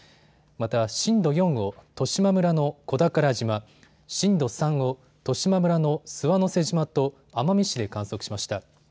また震度４を十島村の小宝島、震度３を十島村の諏訪之瀬島と奄美市で観測しました。